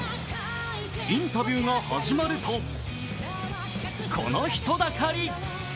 インタビューが始まるとこの人だかり。